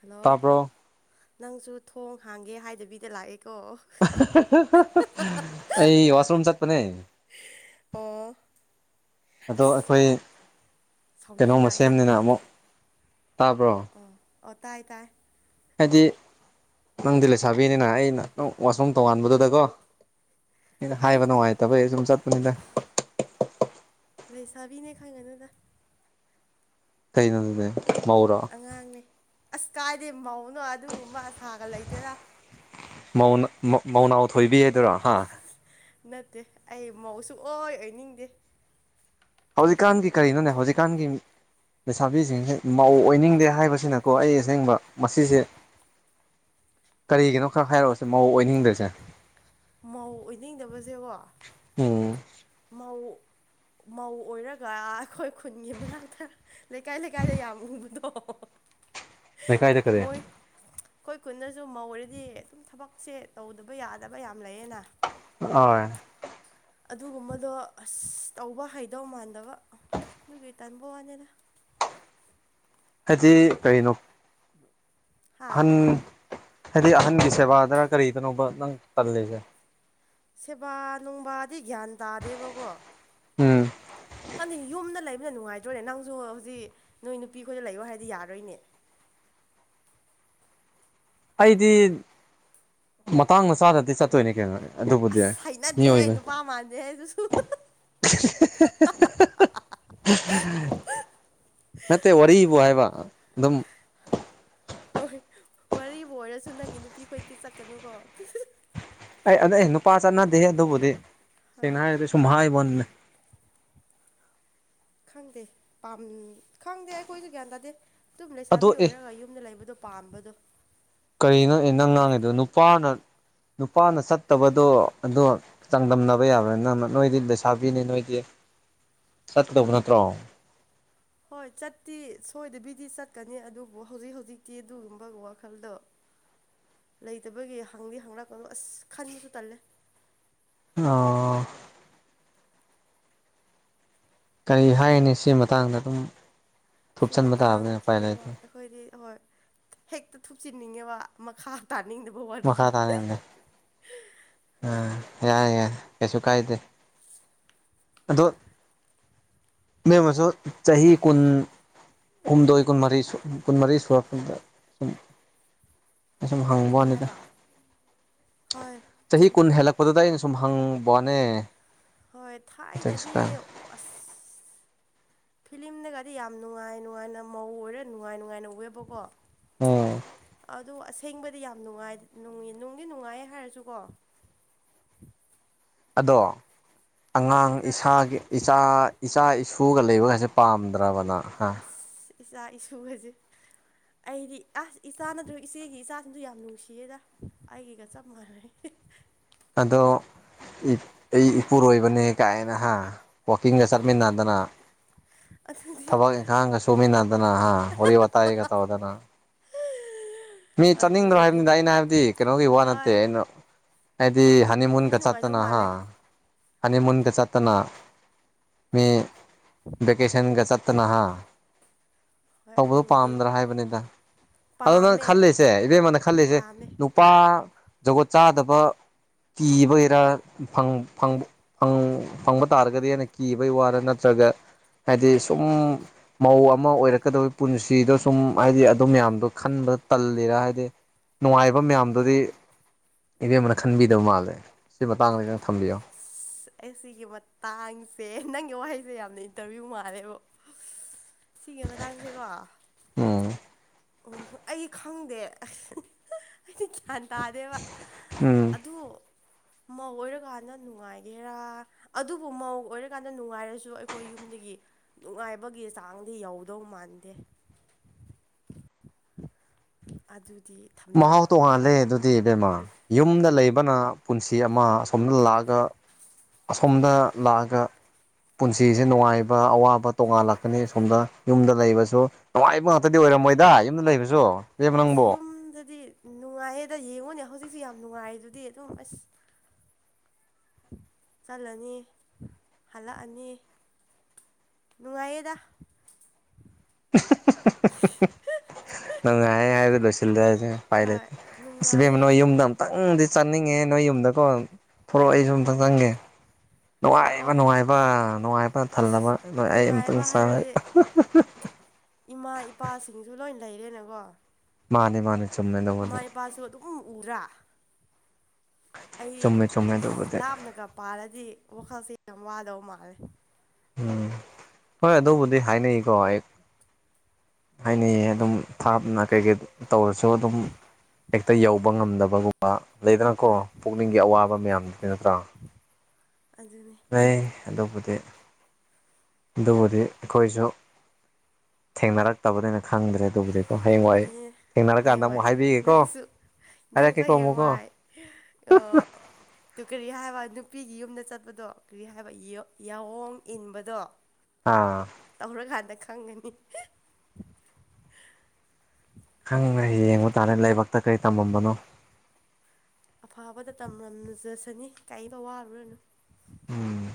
hello ꯇꯥꯕ꯭ꯔꯣ ꯅꯪꯖꯨ ꯊꯣꯡ ꯍꯥꯡꯒꯦ ꯍꯥꯏꯗꯕꯤꯗ ꯂꯥꯛꯑꯦꯀꯣ [unintelligible] ꯑꯩ ꯋꯥꯁꯔꯨꯝ ꯆꯠꯄꯅꯦ ꯑꯣꯥ ꯑꯗꯣ ꯑꯩꯈꯣꯏ ꯀꯩꯅꯣꯃ ꯁꯥꯎꯅꯤꯡꯗ꯭ꯔꯥ ꯁꯦꯝꯅꯤꯅ ꯏꯌꯥꯝꯕꯗꯣ ꯑꯃꯨꯛ ꯇꯥꯕ꯭ꯔꯣ ꯑꯣ ꯑꯣ ꯇꯥꯏ ꯇꯥꯏ ꯍꯥꯏꯗꯤ ꯅꯪꯗꯤ ꯂꯩꯁꯥꯕꯤꯅꯤꯅ ꯑꯩꯅ ꯅꯪ ꯋꯥꯁꯔꯨꯝ ꯇꯣꯉꯥꯟꯕꯗꯨꯗꯀꯣ ꯑꯩꯅ ꯐꯩꯌꯦ ꯍꯥꯏꯕ ꯐꯩꯌꯦ ꯅꯨꯡꯉꯥꯏꯇꯕꯩ ꯑꯩ ꯁꯨꯝ ꯆꯠꯄꯅꯤꯅ ꯂꯩꯁꯥꯕꯤꯅꯦ ꯈꯪꯉꯅꯗ ꯀꯩꯅꯗꯅꯦ ꯃꯧꯔꯥ ꯑꯉꯥꯡꯅꯦ ꯑꯁ ꯀꯥꯏꯗꯦ ꯃꯧꯅꯣ ꯑꯗꯨꯒꯨꯝꯕ ꯑꯁꯥꯒ ꯂꯩꯇꯦꯔꯥ ꯃꯧꯅꯥ ꯃꯧꯅꯥꯎ ꯊꯣꯏꯕꯤꯗꯨꯔꯣ ꯍꯥ ꯅꯠꯇꯦ ꯑꯩ ꯃꯧꯁꯨ ꯑꯣꯏ ꯑꯣꯏꯅꯤꯡꯗꯦ ꯍꯧꯖꯤꯛꯀꯥꯟꯒꯤ ꯀꯔꯤꯅꯣꯅꯦ ꯍꯧꯖꯤꯛꯀꯥꯟꯒꯤ ꯂꯩꯁꯥꯕꯤꯁꯤꯡꯁꯦ ꯃꯧ ꯑꯣꯏꯅꯤꯡꯗꯦ ꯍꯥꯏꯕꯁꯤꯅꯀꯣ ꯑꯩ ꯑꯁꯦꯡꯕ ꯃꯁꯤꯁꯦ ꯀꯔꯤꯒꯤꯅꯣ ꯈꯔ ꯍꯥꯏꯔꯣꯁꯦ ꯃꯧ ꯑꯣꯏꯅꯤꯡꯗ꯭ꯔꯤꯁꯦ ꯃꯧ ꯑꯣꯏꯅꯤꯡꯗꯕꯖꯦꯀꯣ ꯎꯝ ꯃꯧ ꯃꯧ ꯑꯣꯏꯔꯒ ꯑꯩꯈꯣꯏ ꯈꯨꯟꯒꯤ ꯃꯅꯥꯛꯇ ꯂꯩꯀꯥꯏ ꯂꯩꯀꯥꯏꯗ ꯌꯥꯝ ꯎꯕꯗꯣ [inaudible] ꯀꯔꯤ ꯃꯣꯏ ꯑꯩꯈꯣꯏ ꯀꯨꯟꯗꯁꯨ ꯃꯧ ꯑꯣꯏꯔꯗꯤ ꯊꯕꯛꯁꯦ ꯇꯧꯗꯕ ꯌꯥꯗꯕ ꯌꯥꯝ ꯂꯩꯌꯦꯅ ꯑ ꯑꯗꯨꯒꯨꯝꯕꯗꯣ ꯑꯁ ꯇꯧꯕ ꯍꯩꯗꯧ ꯃꯥꯟꯗꯕ ꯑꯗꯨꯒꯤ ꯇꯟꯥꯕ ꯋꯥꯅꯤꯗ ꯍꯥꯏꯗꯤ ꯀꯩꯅꯣ ꯍꯥ ꯑꯍꯟ ꯍꯥꯏꯗꯤ ꯑꯍꯟꯒꯤ ꯁꯦꯕꯥꯗꯔ ꯀꯔꯤꯗꯅꯣꯕ ꯅꯪ ꯇꯜꯂꯤꯖꯦ ꯁꯦꯕꯥ ꯅꯨꯡꯕꯥꯗꯤ ꯒ꯭ꯌꯥꯟ ꯇꯥꯗꯦꯕꯀꯣ ꯎꯝ ꯈꯪꯗꯤ ꯌꯨꯝꯗ ꯂꯩꯕꯅ ꯅꯨꯡꯉꯥꯏꯇ꯭ꯔꯅꯦꯀ ꯅꯪꯁꯨ ꯍꯧꯖꯤꯛ ꯅꯣꯏ ꯅꯨꯄꯤ ꯈꯣꯏꯗ ꯂꯩꯌꯣ ꯍꯥꯏꯔꯗꯤ ꯌꯥꯔꯣꯏꯅꯦ ꯑꯩꯗꯤ ꯃꯇꯥꯡꯅ ꯆꯥꯗꯗꯤ ꯆꯠꯇꯣꯏꯅꯤ ꯀꯩꯅꯣꯅꯦ ꯍꯩꯅꯗꯦꯍꯦ ꯅꯨꯄꯥ ꯃꯥꯟꯗꯦ ꯍꯦ ꯑꯗꯨꯁꯨ [inaudible] ꯅꯠꯇꯦ ꯋꯥꯔꯤꯕꯨ ꯍꯥꯏꯕ ꯑꯗꯨꯝ ꯍꯣꯏ ꯋꯥꯔꯤꯕꯨ ꯑꯣꯏꯔꯁꯨ ꯅꯪꯒꯤ ꯅꯨꯄꯤ ꯈꯣꯏꯗꯤ ꯆꯠꯀꯅꯨꯀꯣ ꯑꯩ ꯑꯗꯨ ꯑꯩ ꯅꯨꯄꯥ ꯆꯠꯅꯗꯦ ꯑꯗꯨꯕꯨꯗꯤ ꯍꯣꯏ ꯁꯦꯡꯅ ꯍꯥꯏꯔꯗꯤ ꯁꯨꯝ ꯍꯥꯏꯕꯣꯟꯅꯦ ꯈꯪꯗꯦ ꯄꯥꯝ ꯈꯪꯗꯦ ꯑꯩꯈꯣꯏꯁꯨ ꯒ꯭ꯌꯥꯟ ꯇꯥꯗꯦ ꯑꯗꯨꯝ ꯑꯗꯣ ꯂꯩꯁꯥꯕꯤ ꯑꯦ ꯑꯣꯏꯔꯒ ꯌꯨꯝꯗ ꯂꯩꯕꯗꯣ ꯄꯥꯝꯕꯗꯣ ꯀꯔꯤꯅꯣ ꯅꯪ ꯉꯥꯡꯉꯤꯗꯣ ꯅꯨꯄꯥꯅ ꯅꯨꯄꯥꯅ ꯆꯠꯇꯕꯗꯣ ꯑꯗꯣ ꯆꯥꯡꯗꯝꯅꯕ ꯌꯥꯕ꯭ꯔ ꯅꯪ ꯅꯣꯏꯗꯤ ꯂꯩꯁꯥꯕꯤꯅꯤ ꯅꯣꯏꯗꯤ ꯆꯠꯇꯧꯕ ꯅꯠꯇ꯭ꯔꯣ ꯍꯣꯏ ꯆꯠꯇꯤ ꯁꯣꯏꯗꯕꯤꯗꯤ ꯆꯠꯀꯅꯤ ꯑꯗꯨꯕꯨ ꯍꯧꯖꯤꯛ ꯍꯧꯖꯤꯛꯇꯤ ꯑꯗꯨꯒꯨꯝꯕ ꯋꯥꯈꯜꯗꯣ [unintelligible] ꯂꯩꯇꯕꯒꯤ ꯍꯪꯗꯤ ꯍꯪꯪꯂꯛꯀꯅꯣ ꯑꯁ ꯈꯟꯕꯁꯨ ꯇꯜꯂꯦ ꯑ ꯀꯔꯤ ꯍꯥꯏꯒꯅꯤ ꯁꯤ ꯃꯇꯥꯡꯗ ꯑꯗꯨꯝ ꯁꯤ ꯊꯨꯞꯆꯟꯕ ꯇꯥꯕꯅꯤ ꯎꯄꯥꯏ ꯃꯇꯥꯡꯁꯤꯗꯤꯀꯣ ꯂꯩꯇꯦ ꯑꯩꯈꯣꯏꯗꯤ ꯍꯣꯏ ꯍꯦꯛꯇ ꯊꯨꯞꯆꯤꯟꯅꯤꯡꯉꯦꯕ ꯃꯈꯥ ꯇꯥꯅꯤꯡꯗꯕ ꯃꯈꯥ ꯋꯥꯔꯤꯅꯤ ꯇꯥꯅ ꯍꯣꯏ ꯌꯥꯏ ꯌꯥꯏ ꯀꯩꯁꯨ ꯀꯥꯏꯗꯦ ꯑꯗꯣ ꯃꯦꯝꯃꯁꯨ ꯆꯍꯤ ꯀꯨꯟ ꯍꯨꯝꯗꯣꯏ ꯀꯨꯟꯃꯔꯤ ꯀꯨꯟꯃꯔꯤ ꯁꯨꯔꯛꯄꯗꯨꯗ ꯁꯨꯝ ꯑꯁꯨꯝ ꯍꯡꯕ ꯀꯔꯤ ꯋꯥꯅꯤꯗ ꯍꯥꯏꯕ ꯍꯣꯏ ꯆꯍꯤ ꯆꯨꯝ ꯀꯨꯟ ꯍꯦꯂꯛ ꯃꯗꯨꯗ ꯑꯩꯅ ꯁꯨꯝ ꯍꯪꯕ ꯋꯥꯅꯦ ꯍꯣꯏ ꯊꯥꯏꯅꯗꯤ ꯑꯁ ꯐꯤꯂꯤꯝꯗꯒꯗꯤ ꯌꯥꯝ ꯅꯨꯡꯉꯥꯏ ꯅꯨꯡꯉꯥꯏꯅ ꯃꯧ ꯑꯣꯏꯔ ꯅꯨꯡꯉꯥꯏ ꯅꯨꯡꯉꯥꯏꯅ ꯎꯑꯦꯕꯀꯣ ꯎꯝ ꯑꯗꯨ ꯑꯁꯦꯡꯕꯗꯤ ꯌꯥꯝ ꯅꯨꯡꯉꯥꯏ ꯅꯨꯡꯗꯤ ꯅꯨꯡꯉꯥꯏ ꯍꯥꯏꯔꯁꯨꯀꯣ ꯑꯗꯣ ꯑꯉꯥꯡ ꯈꯔ ꯏꯁꯥꯒꯤ ꯏꯆꯥ ꯏꯆꯥ ꯏꯁꯨꯒ ꯂꯩꯕꯒꯁꯦ ꯄꯥꯝꯗ꯭ꯔꯕ ꯅꯪ ꯍ ꯏꯆꯥ ꯏꯁꯨꯒꯁꯦ ꯑꯩꯗꯤ ꯑꯁ ꯏꯆꯥ ꯅꯠꯇ꯭ꯔꯖꯨ ꯏꯆꯦꯒꯤ ꯏꯆꯥꯁꯤꯡꯗꯨ ꯌꯥꯝ ꯅꯨꯡꯁꯤꯌꯦꯗ ꯑꯩꯒꯤꯒ ꯆꯞ ꯃꯥꯟꯅꯩ ꯑꯗꯣ ꯑꯩ ꯏꯄꯨꯔꯣꯏꯕꯅꯦ ꯀꯥꯏꯅ ꯍꯥ ꯋꯥꯛꯀꯤꯡꯒ ꯆꯠꯃꯤꯟꯅꯗꯅ ꯑꯗꯨꯗꯤ ꯊꯕꯛ ꯏꯪꯈꯥꯡꯒꯁꯨ ꯇꯨꯃꯤꯟꯅꯗꯅ ꯍꯥ ꯋꯥꯔꯤ ꯋꯥꯇꯥꯏꯒ ꯇꯧꯗꯅ ꯃꯤ ꯆꯠꯅꯤꯡꯗ꯭ꯔꯣ ꯑꯗꯨꯗꯤ ꯍꯥꯏꯕꯅꯤꯗ ꯑꯩꯅ ꯍꯥꯏꯕꯗꯤ ꯀꯩꯅꯣꯒꯤ ꯋꯥ ꯅꯠꯇꯦ ꯍꯣꯏ ꯑꯩꯅ ꯍꯥꯏꯗꯤ ꯅꯨꯡ ꯅꯨꯡꯗꯤ ꯍꯟꯅꯤꯃꯨꯟꯒ ꯅꯨꯡꯉꯥꯏꯗꯧ ꯆꯠꯇꯅ ꯍꯥ ꯃꯥꯜꯂꯦ ꯍꯟꯅꯤꯃꯨꯟꯒ ꯆꯠꯇꯅ ꯃꯤ ꯚꯦꯀꯁꯟꯒ ꯆꯠꯇꯅ ꯍꯥ ꯍꯣꯏ ꯇꯧꯕꯗꯨ ꯑꯗꯨꯕꯨꯗꯤ ꯄꯥꯝꯗ꯭ꯔꯥ ꯍꯥꯏꯕꯅꯤꯗ ꯑꯗꯣ ꯅꯪ ꯄꯥꯝꯃꯦ ꯈꯜꯂꯤꯁꯦ ꯏꯕꯦꯝꯃꯅ ꯈꯜꯂꯤꯁꯦ ꯄꯥꯝꯃꯦ ꯅꯨꯄꯥ ꯖꯒꯣꯠ ꯆꯥꯗꯕ ꯀꯤꯕꯒꯤꯔꯥ ꯐꯪ ꯐꯪꯕ ꯐꯪ ꯐꯪꯕ ꯇꯥꯔꯒꯗꯤ ꯍꯥꯏꯅ ꯀꯤꯕꯩ ꯋꯥꯔ ꯅꯠꯇ꯭ꯔꯒ ꯍꯥꯏꯗꯤ ꯁꯨꯝ ꯃꯧ ꯑꯃ ꯑꯣꯏꯔꯛꯀꯗꯕꯩ ꯄꯨꯟꯁꯤꯗꯣ ꯁꯨꯝ ꯍꯥꯏꯗꯤ ꯑꯗꯨ ꯃꯌꯥꯝꯗꯣ ꯈꯟꯕ ꯇꯜꯂꯤꯔ ꯍꯥꯏꯗꯤ ꯅꯨꯡꯉꯥꯏꯕ ꯃꯌꯥꯝꯗꯨꯗꯤ ꯏꯕꯦꯝꯕꯅ ꯈꯟꯕꯤꯗꯕ ꯃꯥꯜꯂꯦ ꯁꯤ ꯃꯇꯥꯡꯗ ꯈꯔ ꯊꯝꯕꯤꯌꯣ ꯑꯁ ꯑꯩ ꯁꯤꯒꯤ ꯃꯇꯥꯡꯁꯦ ꯅꯪꯒꯤ ꯋꯥꯍꯩꯁꯦ ꯌꯥꯝꯅ ꯏꯟꯇꯔꯕ꯭ꯌꯨ ꯃꯥꯜꯂꯦꯕꯣ [inaudible] ꯁꯤꯒꯤ ꯃꯇꯥꯡꯁꯦꯀꯣ ꯎꯝ ꯑꯣ ꯍꯣ ꯑꯩ ꯈꯪꯗꯦ ꯑꯩꯗꯤ ꯒ꯭ꯌꯥꯟ ꯇꯥꯗꯦꯕ ꯎꯝ ꯑꯗꯨ ꯃꯧ ꯑꯣꯏꯔꯀꯥꯟꯗ ꯅꯨꯡꯉꯥꯏꯒꯦꯔꯥ ꯑꯗꯨꯕꯨ ꯃꯧ ꯑꯣꯏꯔꯀꯥꯟꯗ ꯅꯨꯡꯉꯥꯏꯔꯁꯨ ꯑꯩꯈꯣꯏ ꯌꯨꯝꯗꯒꯤ ꯅꯨꯡꯉꯥꯏꯕꯒꯤ ꯆꯥꯡꯗꯤ ꯌꯧꯗꯧ ꯃꯥꯟꯗꯦ ꯑꯗꯨꯗꯤ ꯊꯝꯅꯤꯡꯉꯤ ꯃꯍꯥꯎ ꯇꯣꯡꯉꯥꯜꯂꯦ ꯑꯗꯨꯗꯤ ꯏꯕꯦꯝꯃꯥ ꯌꯨꯝꯗ ꯂꯩꯕꯅ ꯄꯨꯟꯁꯤ ꯑꯃ ꯑꯁꯣꯝꯗ ꯂꯥꯛꯑꯒ ꯑꯁꯣꯝꯗ ꯂꯥꯛꯑꯒ ꯄꯨꯟꯁꯤꯁꯦ ꯅꯨꯡꯉꯥꯏꯕ ꯑꯋꯥꯕ ꯇꯣꯡꯉꯥꯜꯂꯛꯀꯅꯤ ꯑꯁꯣꯝꯗ ꯌꯨꯝꯗ ꯂꯩꯕꯁꯨ ꯅꯨꯡꯉꯥꯏꯕ ꯉꯥꯛꯇꯗꯤ ꯑꯣꯏꯔꯝꯃꯣꯏꯗ ꯌꯨꯝꯗ ꯂꯩꯕꯁꯨ ꯏꯕꯦꯝꯃ ꯑꯁ ꯅꯪꯕꯣ ꯌꯨꯝꯗꯗꯤ ꯅꯨꯡꯉꯥꯏꯌꯦꯗ ꯌꯦꯡꯉꯨꯅꯦ ꯍꯧꯖꯤꯛꯇꯤ ꯌꯥꯝ ꯅꯨꯡꯉꯥꯏꯗꯨꯗꯤ ꯑꯗꯨꯝ ꯑꯁ ꯆꯠꯂꯅꯤ ꯍꯜꯂꯛꯑꯅꯤ ꯅꯨꯡꯉꯥꯏꯌꯦꯗꯥ [unintelligible] ꯅꯨꯡꯉꯥꯏꯌꯦ ꯍꯥꯏꯕꯗ ꯂꯣꯁꯤꯜꯂꯖꯤ ꯎꯄꯥꯏ ꯍꯣꯏ ꯂꯩꯇꯦ ꯏꯁ ꯏꯕꯦꯝꯃ ꯅꯨꯡꯉꯥꯏꯌꯦ ꯅꯣꯏ ꯌꯨꯝꯗ ꯑꯝꯇꯪꯗꯤ ꯆꯠꯅꯤꯡꯉꯦ ꯅꯣꯏ ꯌꯨꯝꯗꯀꯣ ꯊꯣꯔꯛꯑꯣ ꯍꯣꯏ ꯑꯩꯁꯨ ꯑꯝꯇ ꯆꯪꯒꯦ ꯅꯨꯡꯉꯥꯏꯕ ꯂꯥꯛꯑꯣ ꯅꯨꯡꯉꯥꯏꯕ ꯅꯨꯡꯉꯥꯏꯕ ꯊꯜꯂꯕ ꯑꯩ ꯑꯝꯇꯪ ꯅꯨꯡꯉꯥꯏꯕ ꯆꯪꯉ ꯍꯥꯏꯕꯗꯤ ꯏꯃꯥ ꯏꯄꯥꯁꯤꯡꯁꯨ ꯂꯣꯏ ꯂꯩꯔꯦꯅꯀꯣ ꯃꯥꯅꯦ ꯃꯥꯅꯦ ꯏꯃꯥ ꯏꯄꯥꯁꯨ ꯑꯗꯨꯝ ꯎꯡꯗ꯭ꯔꯥ ꯑꯩ ꯆꯨꯝꯃꯦ ꯆꯨꯝꯃꯦ ꯑꯁ ꯑꯗꯨꯕꯨꯗꯤ ꯂꯥꯞꯅꯒ ꯄꯥꯜꯂꯗꯤ ꯋꯥꯈꯜꯁꯦ ꯌꯥꯝ ꯋꯥꯗꯧ ꯃꯥꯜꯂꯦ ꯎꯝ ꯍꯣꯏ ꯑꯗꯨꯕꯨꯗꯤ ꯍꯥꯏꯅꯩꯀꯣ ꯑꯩ ꯍꯥꯏꯅꯩꯌꯦ ꯑꯗꯨꯝ ꯊꯥꯞꯅ ꯀꯩꯀꯩ ꯇꯧꯔꯁꯨ ꯑꯗꯨꯝ ꯍꯦꯛꯇ ꯌꯧꯕ ꯉꯝꯗꯕꯒꯨꯝꯕ ꯂꯩꯗꯅꯀꯣ ꯍꯣꯏ ꯄꯨꯛꯅꯤꯡꯒꯤ ꯑꯋꯥꯕ ꯃꯌꯥꯝꯗꯨꯗꯤ ꯅꯠꯇꯔ ꯑꯗꯨꯅꯦ ꯂꯩ ꯑꯗꯨꯕꯨꯗꯤ ꯑꯗꯨꯕꯨꯗꯤ ꯑꯩꯈꯣꯏꯁꯨ ꯊꯦꯡꯅꯔꯛꯇꯕꯅꯤꯅ ꯈꯪꯗ꯭ꯔꯦ ꯑꯗꯨꯕꯨꯗꯤꯀꯣ ꯍꯌꯦꯡꯋꯥꯏ ꯑꯗꯨꯅꯤ ꯊꯦꯡꯅꯔꯀꯥꯟꯗ ꯑꯃꯨꯛ ꯍꯌꯦꯡꯋꯥꯏ ꯍꯥꯏꯕꯤꯒꯦꯀꯣ ꯅꯪꯁꯨ ꯅꯪꯁꯨ ꯍꯥꯏꯔꯛꯀꯦꯀꯣ ꯑꯃꯨꯛꯀꯣ ꯍꯌꯦꯡꯋꯥꯏ ꯑ [unintelligible] ꯑꯗꯨ ꯀꯔꯤ ꯍꯥꯏꯕ ꯅꯨꯄꯤꯒꯤ ꯌꯨꯝꯗ ꯆꯠꯄꯗꯣ ꯀꯔꯤ ꯍꯥꯏꯕ ꯌ ꯌꯥꯑꯣꯡ ꯏꯟꯕꯗꯣ ꯑꯥ ꯇꯧꯔꯀꯥꯟꯗ ꯈꯪꯒꯅꯤ ꯈꯪꯗꯦ ꯌꯦꯡꯕ ꯇꯥꯔꯦ ꯂꯥꯏꯕꯛꯇ ꯀꯔꯤ ꯇꯝꯃꯝꯕꯅꯣ ꯑꯐꯕꯗ ꯇꯝꯔꯝꯅꯖꯁꯅꯤ ꯀꯩꯝꯅꯣ ꯋꯥꯔꯨꯔꯅꯨ ꯎꯝ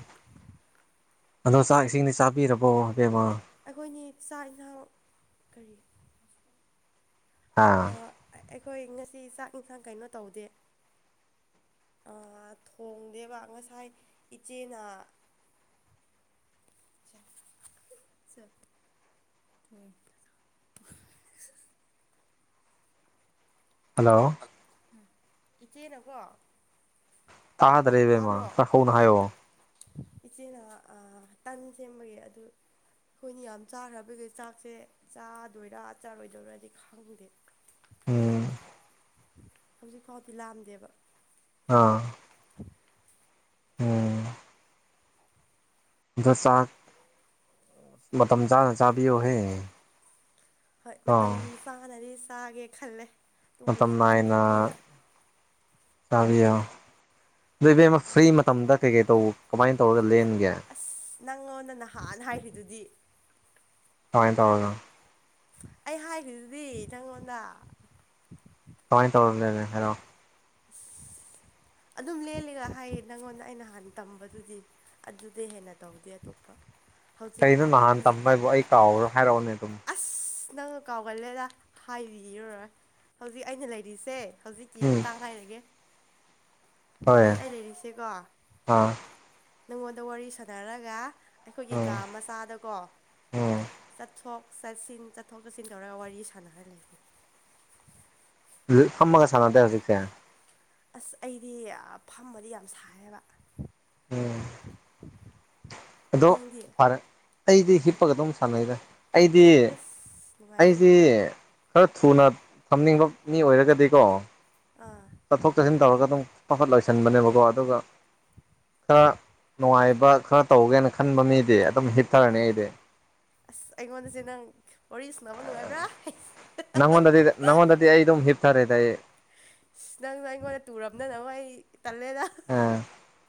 ꯑꯗꯣ ꯆꯥꯛ ꯏꯁꯤꯡꯗꯤ ꯆꯥꯕꯤꯔꯕꯣ ꯑꯕꯦꯝꯃ ꯑꯩꯈꯣꯏꯅꯤ ꯆꯥꯥꯛ ꯏꯟꯖꯥꯡ ꯀꯔꯤ ꯑꯥ ꯑꯣ ꯑꯩꯈꯣꯏ ꯉꯁꯤ ꯆꯥꯛ ꯏꯟꯁꯥꯡ ꯀꯩꯅꯣ ꯇꯧꯗꯦ ꯊꯣꯡꯗꯦꯕ ꯉꯁꯥꯏ ꯏꯆꯦꯅ ꯆꯠ ꯎꯝ ꯍꯜꯂꯣ ꯎ ꯏꯆꯦ ꯅꯀꯣ ꯇꯥꯗꯔꯕꯦꯝ ꯃꯥ ꯆꯈꯣꯅ ꯍꯥꯏꯣ ꯏꯆꯦꯅ ꯇꯟ ꯁꯦꯝꯕꯒꯤ ꯑꯗꯨ ꯑꯩꯈꯣꯏꯅ ꯌꯥꯝ ꯆꯥꯈ꯭ꯔꯕꯒꯤ ꯆꯥꯛꯁꯦ ꯆꯥꯗꯣꯏꯔꯥ ꯆꯥꯔꯣꯏꯗꯣꯏꯔꯗꯤ ꯈꯪꯗꯦ ꯎꯝ ꯍꯧꯖꯤꯛ ꯐꯥꯎꯗꯤ ꯂꯥꯑꯝꯗꯦꯕ ꯑ [unintelligible] ꯎꯝ ꯗ ꯆꯥꯛ ꯃꯇꯝ ꯆꯥꯅ ꯆꯥꯕꯤꯌꯣꯍꯦ ꯍꯣꯏ ꯑꯥ ꯃꯇꯝ ꯆꯥꯅꯗꯤ ꯆꯥꯒꯦ ꯈꯜꯂꯦ ꯑꯗꯨꯕꯨ ꯃꯇꯝ ꯅꯥꯏꯅ ꯂꯥꯝꯗꯕꯅꯤꯅ ꯆꯥꯕꯤꯌꯣ ꯑꯗꯣ ꯏꯕꯦꯝꯃ ꯐ꯭ꯔꯤ ꯃꯇꯝꯗ ꯀꯩ ꯀꯩ ꯇꯧꯕ ꯀꯃꯥꯏꯅ ꯇꯧꯔꯒ ꯂꯦꯟꯒꯦ ꯑꯁ ꯅꯪꯉꯣꯟꯗ ꯅꯍꯥꯟ ꯍꯥꯏꯔꯤꯗꯨꯗꯤ ꯀꯃꯥꯏ ꯇꯧꯔꯒ ꯑꯩ ꯍꯥꯏꯈ꯭ꯔꯤꯗꯨꯗꯤ ꯅꯪꯉꯣꯟꯗ ꯀꯃꯥꯏ ꯇꯧꯔꯒ ꯂꯦꯜꯂꯦ ꯍꯥꯏꯔꯛꯑꯣ ꯑꯁ ꯑꯗꯨꯝ ꯂꯦꯜꯂꯦꯒ ꯍꯥꯏꯌꯦ ꯅꯪꯉꯣꯟꯗ ꯑꯩꯅ ꯍꯥꯟꯅ ꯇꯝꯕꯗꯨꯗꯤ ꯑꯗꯨꯗꯤ ꯍꯦꯟꯅ ꯇꯧꯗꯦ ꯑꯇꯣꯞꯄ ꯍꯧꯖꯤꯛ ꯀꯩꯅꯣ ꯅꯍꯥꯟ ꯍꯧꯖꯤꯛ ꯇꯝꯕ ꯍꯥꯏꯕꯨ ꯑꯩ ꯀꯥꯎꯔꯣ ꯍꯥꯏꯔꯛꯎꯅꯦ ꯑꯗꯨꯝ ꯑꯁ ꯅꯪꯒ ꯀꯥꯎꯒꯜꯂꯦꯗ ꯍꯥꯏꯕꯤꯔꯔꯣꯏ ꯍꯧꯖꯤꯛ ꯑꯩꯅ ꯂꯩꯔꯤꯁꯦ ꯍꯧꯖꯤꯛꯀꯤ ꯎꯝ ꯃꯇꯥꯡ ꯍꯥꯏꯔꯒꯦ ꯍꯣꯏ ꯍꯧꯖꯤꯛ ꯑꯩ ꯂꯩꯔꯤꯁꯦꯀꯣ ꯑꯥ ꯅꯪꯉꯣꯟꯗ ꯋꯥꯔꯤ ꯁꯥꯟꯅꯔꯒ ꯑꯩꯈꯣꯏꯒꯤ ꯀꯥ ꯎꯝ ꯃꯆꯥꯗꯀꯣ ꯎꯝ ꯆꯠꯊꯣꯛ ꯆꯠꯁꯤꯟ ꯆꯠꯊꯣꯛ ꯆꯠꯁꯤꯟ ꯇꯧꯔꯒ ꯋꯥꯔꯤ ꯁꯥꯟꯅꯔ ꯂꯩꯔꯦ ꯈꯃꯒ ꯁꯥꯟꯅꯗ ꯍꯧꯖꯤꯛꯀꯦ ꯑꯁ ꯑꯩꯗꯤ ꯐꯝꯕꯗꯤ ꯌꯥꯝ ꯁꯥꯏꯌꯦꯕ ꯎꯝ [inaudible] ꯑꯗꯣ ꯅꯪꯗꯤ ꯐꯔꯦ ꯑꯩꯗꯤ ꯍꯤꯞꯄꯒ ꯑꯗꯨꯝ ꯁꯥꯟꯅꯩꯔ ꯑꯩꯗꯤ ꯑꯁ ꯅꯨꯡꯉꯥꯏꯌꯦꯅꯦ ꯑꯩꯗꯤ ꯈꯔ ꯊꯨꯅ ꯊꯝꯅꯤꯡꯕ ꯃꯤ ꯑꯣꯏꯔꯒꯗꯤꯀꯣ ꯑꯥ ꯆꯠꯊꯣꯛ ꯆꯠꯁꯤꯟ ꯇꯧꯔꯒ ꯑꯗꯨꯝ [unintelligible] ꯟꯕꯅꯦꯕꯀꯣ ꯑꯗꯨꯒ ꯈꯔ ꯅꯨꯡꯉꯥꯏꯕ ꯈꯔ ꯇꯧꯒꯦꯅ ꯈꯟꯕ ꯃꯤꯗꯤ ꯑꯗꯨꯝ ꯍꯤꯞ ꯑꯥ ꯑꯁ ꯑꯩꯒꯤꯣꯟꯗꯁꯤꯦ ꯅꯪ ꯋꯥꯔꯤ ꯁꯅꯕ ꯅꯨꯡꯉꯥꯏꯕ꯭ꯔꯥ ꯅꯪꯉꯣꯟꯗꯗꯤ ꯅꯪꯉꯣꯟꯗꯗꯤ ꯑꯩ ꯑꯗꯨꯝ ꯍꯤꯞꯊꯔꯦꯗ ꯑꯩ ꯅꯪꯅ ꯑꯩꯉꯣꯟꯗ ꯇꯨꯔꯝꯗꯅꯕ ꯑꯩ ꯇꯜꯂꯦꯗ ꯑ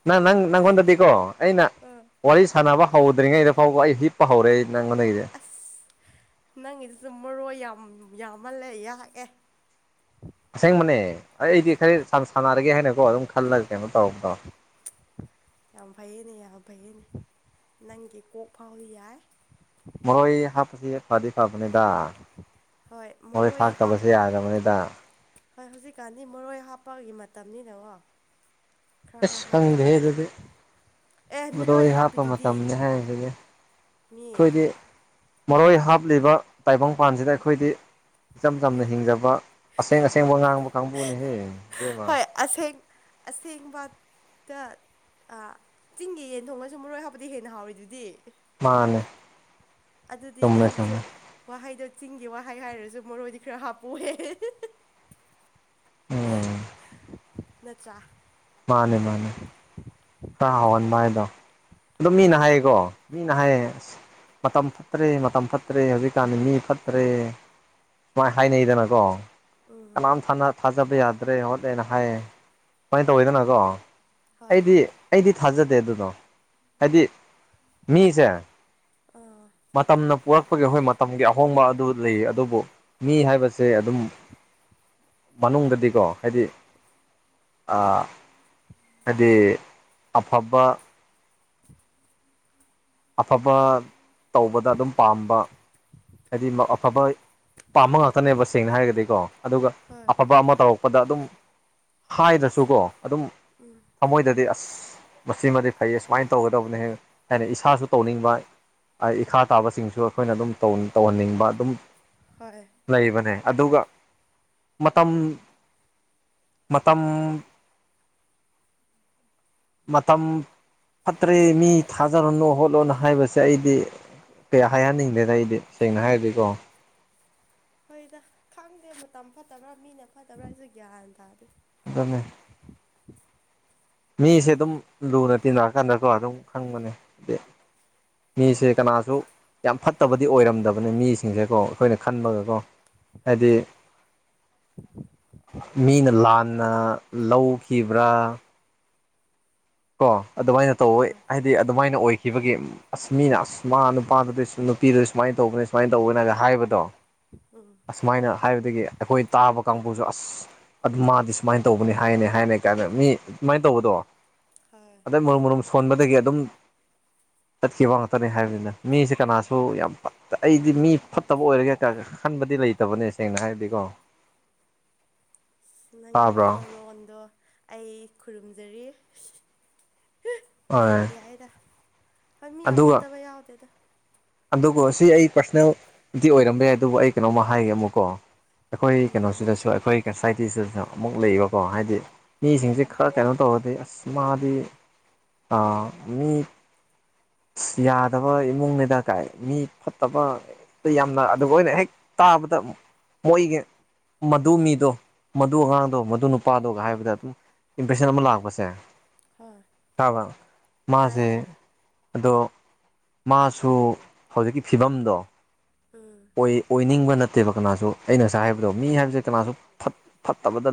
ꯅ ꯅꯪ ꯅꯪꯣꯗꯗꯤꯀꯣ ꯑꯩꯅ ꯑꯥ ꯋꯥꯔꯤ ꯁꯥꯟꯅꯕ ꯍꯧꯗ꯭ꯔꯤꯉꯩꯗ ꯐꯥꯎꯕ ꯑꯩ ꯍꯤꯞꯄ ꯍꯧꯔꯦ ꯅꯪꯣꯟꯗꯒꯤꯗꯤ ꯑꯁ ꯅꯪꯒꯤꯗꯨꯁꯨꯨꯝ ꯃꯔꯣꯏ ꯌꯥꯝ ꯌꯥꯝꯃꯜꯂꯦ ꯌꯥꯛꯑꯦ ꯑꯁꯦꯡꯕꯅꯦ ꯑꯩ ꯑꯩꯗꯤ ꯈꯔ ꯁ ꯁꯥꯟꯅꯔꯒꯦ ꯍꯥꯏꯅꯀꯣ ꯑꯗꯨꯝ ꯈꯜꯂꯒ ꯀꯩꯅꯣ ꯇꯧꯔꯕꯗꯣ ꯌꯥꯝ ꯐꯩꯌꯦꯅꯦ ꯌꯥꯝ ꯐꯩꯌꯦꯅꯦ ꯅꯪꯒꯤ ꯀꯣꯛ ꯐꯥꯎꯗꯤ ꯌꯥꯏ ꯃꯣꯏ ꯍꯥꯞꯄꯗꯤ ꯐꯔꯗꯤ ꯐꯥꯕꯅꯦꯗ ꯍꯣꯏ ꯃꯣꯏ ꯃꯔꯣꯏ ꯍꯥꯞ ꯊꯥꯛꯇꯕꯁꯦ ꯌꯥꯗꯕꯅꯤꯗ ꯍꯣꯏ ꯍꯧꯖꯤꯛꯀꯥꯟꯗꯤ ꯃꯔꯣꯏ ꯍꯥꯞꯄꯒꯤ ꯃꯇꯝꯅꯤꯅꯀꯣ ꯈꯔ ꯈꯔ ꯍꯥꯞ ꯇꯥꯔꯦ ꯁꯪꯗꯦꯗ ꯑꯗꯨ ꯑꯦ ꯃꯤ ꯂꯣꯏꯅ ꯃꯔꯣꯏ ꯍꯥꯞꯄ ꯍꯥꯞꯄꯤꯗꯨꯗꯤ ꯃꯇꯝꯅꯤꯅꯦ ꯍꯥꯏꯕꯗꯤ ꯃꯤ ꯑꯩꯈꯣꯏꯗꯤ ꯃꯔꯣꯏ ꯍꯥꯞꯂꯤꯕ ꯇꯥꯏꯕꯪꯄꯥꯟꯁꯤꯗ ꯑꯩꯈꯣꯏꯗꯤ ꯏꯆꯝ ꯆꯝꯅ ꯍꯤꯡꯖꯕ ꯑꯁꯦꯡ ꯑꯁꯦꯡꯕ ꯉꯥꯡꯕ ꯀꯥꯡꯕꯨꯅꯦꯍꯌꯦ ꯏꯦꯝꯃ ꯍꯣꯏ ꯑꯁꯦꯡ ꯑꯁꯦꯡꯕ ꯏꯇꯥ ꯆꯤꯡꯒꯤ ꯌꯦꯟ ꯊꯣꯡꯉꯁꯨ ꯃꯔꯣꯏ ꯍꯥꯞꯄꯗꯤ ꯍꯦꯟꯅ ꯍꯥꯎꯔꯤꯗꯨꯗꯤ ꯃꯥꯟꯅꯦ ꯑꯗꯨꯗꯤ ꯅꯪꯒꯤꯁꯨ ꯋꯥꯍꯩꯗꯣ ꯆꯤꯡꯒꯤ ꯋꯥꯍꯩ ꯍꯥꯏꯔꯁꯨ ꯃꯔꯣꯏꯗꯤ ꯈꯔ ꯍꯥꯞꯄꯣꯛꯑꯦ ꯎꯝ ꯅꯆꯥ ꯃꯥꯅꯦ ꯃꯥꯅꯦ [inaudible] [inaudible] ꯍꯥꯏꯗꯣ ꯑꯗꯨꯝ ꯃꯤꯅ ꯍꯣꯏ ꯍꯥꯏꯌꯦꯀꯣ ꯃꯤꯅ ꯍꯥꯏꯌꯦ ꯑꯁ ꯃꯇꯝ ꯐꯠꯇ꯭ꯔꯦ ꯃꯇꯝ ꯐꯠꯇ꯭ꯔꯦ ꯍꯧꯖꯤꯛꯀꯥꯟꯗꯤ ꯃꯤ ꯐꯠꯇ꯭ꯔꯦ ꯃꯥꯏ ꯍꯥꯏꯅꯩꯗꯅ ꯀꯣ ꯑꯣ ꯌꯥꯝ ꯊꯥꯖꯕ ꯌꯥꯗ꯭ꯔꯦ ꯍꯣꯠꯂꯦꯅ ꯍꯥꯏꯌꯦ ꯁꯨꯃꯥꯏꯅ ꯇꯧꯋꯤꯗꯅꯀꯣ ꯍꯣꯏ ꯑꯩꯗꯤ ꯑꯩꯗꯤ ꯊꯥꯖꯗꯦ ꯑꯗꯨꯅꯣ ꯍꯥꯏꯗꯤ ꯃꯤꯁꯦ ꯑꯥ ꯃꯇꯝꯅ ꯄꯔꯛꯄꯒꯤ ꯍꯈꯣꯏ ꯃꯇꯝꯒꯤ ꯑꯍꯣꯡꯕ ꯑꯗꯨ ꯂꯩꯌꯦ ꯑꯗꯨꯕꯨ ꯃꯤ ꯍꯥꯏꯕꯁꯤ ꯁꯦ ꯑꯗꯨꯝ ꯃꯅꯨꯡꯗꯗꯤꯀꯣ ꯍꯥꯏꯗꯤ ꯍꯥꯏꯗꯤ ꯑꯐꯕ ꯑꯐꯕ ꯇꯧꯕꯗ ꯑꯗꯨꯝ ꯄꯥꯝꯕ ꯍꯥꯏꯗꯤ ꯑꯐꯕ ꯄꯥꯝꯕ ꯉꯥꯛꯇꯅꯦꯕ ꯁꯦꯡꯅ ꯍꯥꯏꯔꯒꯗꯤꯀꯣ ꯑꯗꯨꯒ ꯍꯣꯏ ꯑꯐꯕ ꯑꯃ ꯇꯧꯔꯛ ꯗ ꯑꯗꯨꯝ ꯍꯥꯏꯗꯁꯨꯀꯣ ꯑꯗꯨꯝ ꯎꯝ ꯊꯃꯣꯏꯗꯗꯤ ꯑꯁ ꯃꯁꯤꯃꯗꯤ ꯐꯩꯌꯦ ꯁꯨꯃꯥꯏꯅ ꯇꯧꯒꯗꯕꯅꯦ ꯍ ꯍꯥꯏꯅ ꯏꯁ ꯏꯁꯥꯁꯨ ꯇꯧꯅꯤꯡꯕ ꯏꯈꯥ ꯇꯥꯕꯁꯤꯡꯁꯨ ꯑꯩꯈꯣꯏꯅ ꯑꯗꯨꯝ ꯇꯧꯍꯟꯅꯤꯡꯕ ꯑꯗꯨꯝ ꯍꯣꯏ ꯂꯩꯕꯅꯦ ꯑꯗꯨꯒ ꯃꯇꯝ ꯃꯇꯝ ꯃꯇꯝ ꯐꯠꯇ꯭ꯔꯦ ꯃꯤ ꯊꯥꯖꯔꯅꯨ ꯍꯣꯠꯂꯅ ꯍꯥꯏꯕꯁꯦ ꯑꯩꯗꯤ ꯀꯩꯌꯥ ꯍꯥꯏꯍꯅꯤꯡꯗꯦ ꯍꯥꯏ ꯑꯩꯏꯗꯤ ꯁꯦꯡꯅ ꯍꯥꯏꯔꯗꯤꯀꯣ ꯍꯣꯏꯗ ꯈꯪꯗꯦ ꯃꯇꯝ ꯐꯠꯇꯕ꯭ꯔꯥ ꯃꯤꯅ ꯐꯠꯇꯕ꯭ꯔꯥ ꯍꯥꯏꯁꯨ ꯒ꯭ꯌꯥꯟ ꯇꯥꯗꯦ ꯑꯗꯨꯝꯅꯤ ꯃꯤꯁꯦ ꯑꯗꯨꯝ ꯂꯨꯅ ꯇꯤꯟꯅꯔꯀꯥꯟꯗꯀꯣ ꯑꯗꯨꯝ ꯈꯪꯕꯅꯦ ꯍꯥꯏꯗꯤ ꯃꯤꯁꯦ ꯀꯅꯥꯁꯨ ꯌꯥꯝ ꯐꯠꯇꯕꯗꯤ ꯑꯣꯏꯔꯝꯗꯕꯅꯦ ꯃꯤꯁꯤꯡꯁꯦꯀꯣ ꯑꯩꯈꯣꯏꯅ ꯈꯟꯕꯒꯀꯣ ꯍꯥꯏꯗꯤ ꯃꯤꯅ ꯂꯥꯟꯅ ꯂꯧꯈꯤꯕ꯭ꯔꯥ ꯀꯣ ꯑꯗꯨꯃꯥꯏꯅ ꯇꯧꯋꯦ ꯍꯣꯏ ꯍꯥꯏꯗꯤ ꯑꯗꯨꯃꯥꯏꯅ ꯑꯣꯏꯈꯤꯕꯒꯤ ꯑꯁ ꯃꯤꯅ ꯑꯁ ꯃꯥ ꯅꯨꯄꯥꯗꯨꯗ ꯅꯨꯄꯤꯗꯨ ꯁꯨꯃꯥꯏꯅ ꯇꯧꯕꯅꯤ ꯁꯨꯃꯥꯏꯅ ꯇꯧꯕꯅꯒ ꯍꯥꯏꯕꯗꯣ ꯎꯝ ꯑꯁꯨꯃꯥꯏꯅ ꯍꯥꯏꯕꯗꯒꯤ ꯑꯩꯈꯣꯏ ꯇꯥꯕ ꯀꯥꯡꯕꯨꯁꯨ ꯑꯁ ꯑꯗꯨ ꯃꯥꯗꯤ ꯁꯨꯃꯥꯏꯅ ꯇꯧꯕꯅꯤ ꯍꯥꯏꯅꯦ ꯍꯥꯏꯅꯦ ꯀꯥꯏꯅ ꯃꯤ ꯑꯗꯨꯃꯥꯏꯅ ꯇꯧꯕꯗꯣ ꯍꯣꯏ ꯑꯗꯩ ꯃꯔꯨꯝ ꯃꯔꯨꯝ ꯁꯣꯟꯕꯗꯒꯤ ꯑꯗꯨꯝ ꯆꯠꯈꯤꯕ ꯉꯥꯛꯇꯅꯦ ꯍꯥꯏꯕꯅꯤꯅ ꯃꯤꯁꯦ ꯀꯅꯥꯁꯨ ꯌꯥꯝ ꯑꯩꯗꯤ ꯃꯤ ꯐꯠꯇꯕ ꯑꯣꯏꯔꯒꯦ ꯍꯥꯏꯇꯥꯦ ꯈꯟꯕꯗꯤ ꯂꯩꯇꯕꯅꯦ ꯁꯦꯡꯅ ꯍꯥꯏꯔꯗꯤꯀꯣ ꯅꯪꯒꯤ ꯇꯥꯕ꯭ꯔꯣ ꯋꯥꯈꯜꯂꯣꯟꯗꯣ ꯑꯩ ꯈꯨꯔꯨꯝꯖꯔꯤ ꯍꯣꯏ ꯌꯥꯏꯗ ꯍꯣꯏ ꯃꯤ ꯌꯥꯝ ꯑꯗꯨꯒ ꯐꯠꯇꯕ ꯌꯥꯎꯗꯦꯗꯥ ꯑꯗꯨꯒ ꯁꯤ ꯑꯩ ꯄꯥꯔꯁꯣꯅꯦꯜꯗꯤ ꯑꯣꯏꯔꯝꯕ ꯌꯥꯏ ꯑꯗꯨꯕꯨ ꯑꯩ ꯀꯩꯅꯣꯝꯃ ꯍꯥꯏꯒꯦ ꯑꯃꯨꯛꯀꯣ ꯑꯩꯈꯣꯏ ꯎꯝ ꯀꯩꯅꯣꯁꯤꯗꯁꯨ ꯑꯩꯈꯣꯏ ꯁꯣꯁꯥꯏꯇꯤꯁꯤꯗꯁꯨ ꯑꯃꯨꯛ ꯂꯩꯕꯀꯣ ꯍꯥꯏꯗꯤ ꯃꯤꯁꯤꯡꯁꯦ ꯈꯔ ꯀꯩꯅꯣ ꯇꯧꯔꯗꯤ ꯑꯁ ꯃꯥꯗꯤ ꯑ ꯃꯤ ꯑꯁ ꯌꯥꯗꯕ ꯏꯃꯨꯡꯅꯤꯗ ꯀꯥꯏ ꯃꯤ ꯐꯠꯇꯕ ꯌꯥꯝꯅ ꯑꯗꯨꯒ ꯑꯣꯏꯅ ꯍꯦꯛ ꯇꯥꯕꯗ ꯃꯣꯏꯒꯤ ꯃꯗꯨ ꯃꯤꯗꯣ ꯃꯗꯨ ꯑꯉꯥꯡꯗꯣ ꯃꯗꯨ ꯅꯨꯄꯥꯗꯣꯒ ꯍꯥꯏꯕꯗ ꯑꯗꯨꯝ ꯏꯝꯄ꯭ꯔꯦꯁꯟ ꯑꯃ ꯂꯥꯛꯄꯁꯦ ꯍꯣꯢ ꯇꯥꯕ꯭ꯔꯥ ꯃꯥꯁꯦ ꯑꯗꯣ ꯃꯥꯁꯨ ꯍꯧꯖꯤꯛꯀꯤ ꯐꯤꯕꯝꯗꯣ ꯎꯝ ꯑꯣꯏꯅꯤꯡꯕ ꯅꯠꯇꯦꯕ ꯀꯅꯥꯁꯨ ꯑꯩꯅ ꯉꯁꯥꯏ ꯍꯥꯏꯕꯗꯣ ꯃꯤ ꯍꯥꯏꯕꯁꯦ ꯀꯅꯥꯁꯨ ꯐꯠꯇꯕꯗ